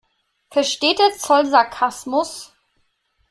Versteht der Zoll Sarkasmus?